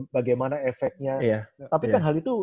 bagaimana efeknya tapi kan hal itu